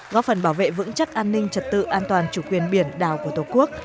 góp phần bảo vệ vững chắc an ninh trật tự an toàn chủ quyền biển đảo của tổ quốc